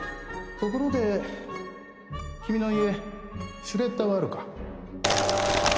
ところで君の家シュレッダーはあるか？